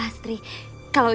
ini pun maaflah